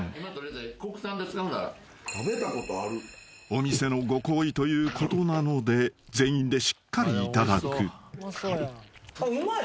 ［お店のご厚意ということなので全員でしっかりいただく］